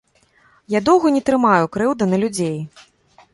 Я доўга не трымаю крыўду на людзей.